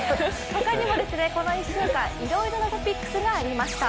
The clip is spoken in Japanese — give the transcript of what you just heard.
他にもこの１週間、いろいろなトピックスがありました。